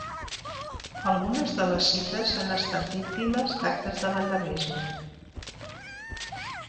Algunes de les cites han estat víctimes d'actes de vandalisme.